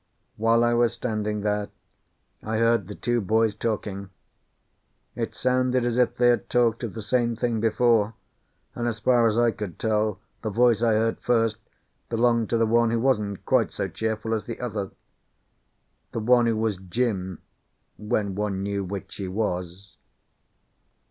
While I was standing there, I heard the two boys talking. It sounded as if they had talked of the same thing before, and, as far as I could tell, the voice I heard first belonged to the one who wasn't quite so cheerful as the other the one who was Jim when one knew which he was.